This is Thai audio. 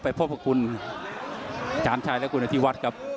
ไปพบกับคุณอาจารย์ชายและคุณอาทิวัตรครับ